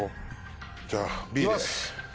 じゃあＢです。